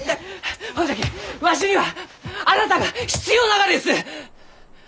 ほんじゃきわしにはあなたが必要ながです！